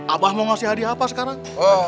abah mau ngasih hadiah apa sekarang